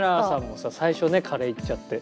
もさ最初ねカレーいっちゃって。